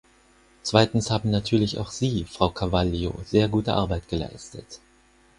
Zweitens haben natürlich auch Sie, Frau Carvalho, sehr gute Arbeit geleistet.